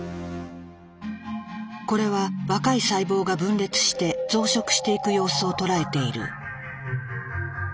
これは若い細胞が分裂して増殖していく様子を捉えている。